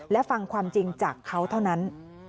และฟังความจริงจากเขาเท่านั้น